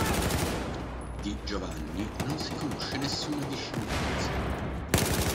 Di Giovanni non si conosce nessuna discendenza.